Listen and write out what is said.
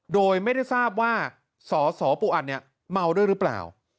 โดยไม่ได้ทราบว่าสสปูอัดเนี่ยเมาด้วยหรือเปล่า